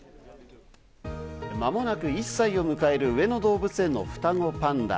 間もなく１歳を迎える上野動物園の双子パンダ。